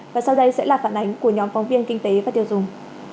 và sau đây sẽ là phản ánh của nhóm phóng viên kinh tế và tiêu dùng